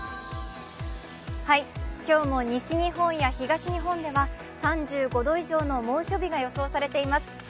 今日も西日本や東日本では３５度以上の猛暑日が予想されています。